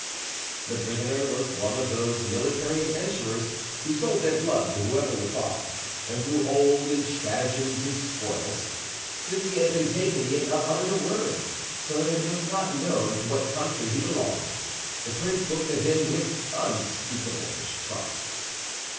The prisoner was one of those military adventurers who sold their blood to whoever would buy, and grew old in stratagems and spoils. Since he had been taken he had not uttered a word, so that it was not known to what country he belonged. The prince looked at him with unspeakable distrust.